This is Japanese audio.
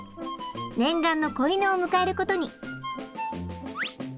念願の子犬を迎えることに。